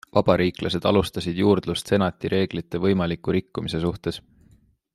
Vabariiklased alustasid juurdlust senati reeglite võimaliku rikkumise suhtes.